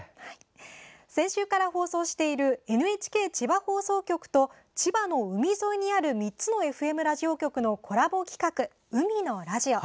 先週から放送しているＮＨＫ千葉放送局と千葉の海沿いにある３つのＦＭラジオ局のコラボ企画「海のラジオ」。